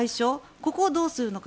ここをどうするのか。